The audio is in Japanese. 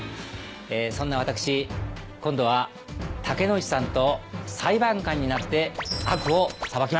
そんな私今度は竹野内さんと裁判官になって悪を裁きます。